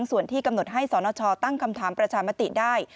ส่วนที่กำหนดให้สนชตั้งคำถามประชามติได้